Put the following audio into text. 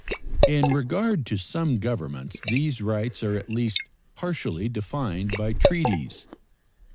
In regard to some governments these rights are at least partially, defined by treaties.